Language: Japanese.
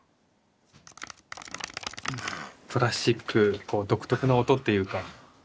プラスチック独特の音っていうか